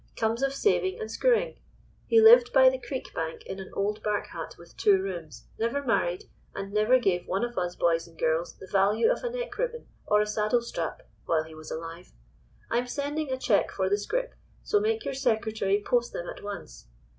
Comes of saving and screwing. He lived by the creek bank in an old bark hut with two rooms, never married, and never gave one of us boys and girls the value of a neck ribbon or a saddle strap while he was alive. I'm sending a cheque for the scrip, so make your secretary post them at once.